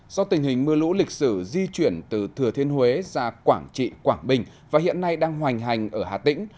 do tình hình mưa lũ lịch sử di chuyển từ thừa thiên huế ra quảng trị quảng bình và hiện nay đang hoành hành ở hà tĩnh